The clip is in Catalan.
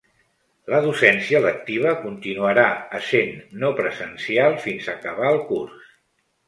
La docència lectiva continuarà essent no presencial fins a acabar el curs.